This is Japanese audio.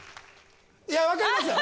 いや分かりますよ！